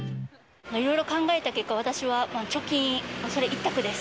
いろいろ考えた結果、私は貯金、それ一択です。